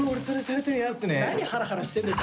何ハラハラしてんだよ。